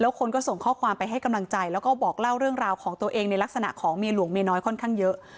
คนก็ส่งข้อความไปให้กำลังใจแล้วก็บอกเล่าเรื่องราวของตัวเองในลักษณะของเมียหลวงเมียน้อยค่อนข้างเยอะ